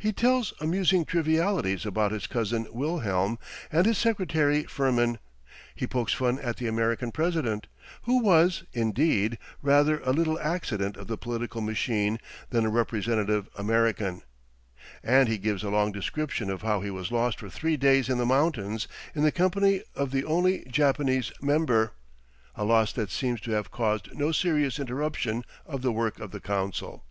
He tells amusing trivialities about his cousin Wilhelm and his secretary Firmin, he pokes fun at the American president, who was, indeed, rather a little accident of the political machine than a representative American, and he gives a long description of how he was lost for three days in the mountains in the company of the only Japanese member, a loss that seems to have caused no serious interruption of the work of the council....